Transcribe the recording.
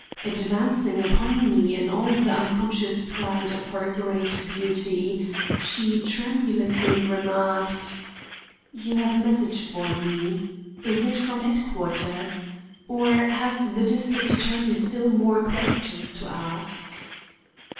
Advancing upon me in all the unconscious pride of her great beauty, she tremulously remarked: "You have a message for me. Is it from headquarters? Or has the district attorney still more questions to ask?"